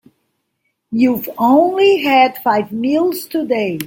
You've only had five meals today.